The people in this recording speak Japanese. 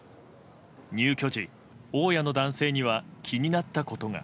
入居時、大家の男性には気になったことが。